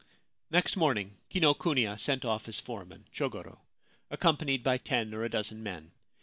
Next morning Kinokuniya sent off his foreman, Chogoro, accompanied by ten or a dozen men.